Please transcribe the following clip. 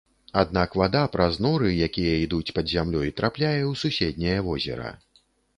Аднак, вада праз норы, якія ідуць пад зямлёй, трапляе ў суседняе возера.